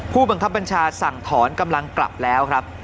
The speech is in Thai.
ผู้บังคับบัญชาสั่งถอนกำลังกลับแล้วครับ